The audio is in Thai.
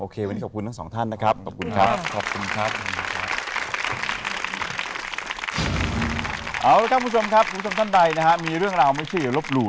โอเควันนี้ขอบคุณทั้งสองท่านนะครับ